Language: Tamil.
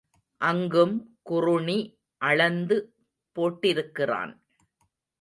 அங்கும் குறுணி அளந்து போட்டிருக்கிறான்.